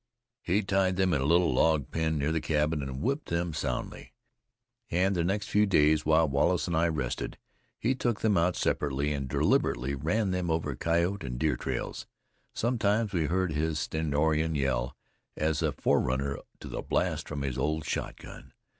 He tied them in a little log pen near the cabin and whipped them soundly. And the next few days, while Wallace and I rested, he took them out separately and deliberately ran them over coyote and deer trails. Sometimes we heard his stentorian yell as a forerunner to the blast from his old shotgun.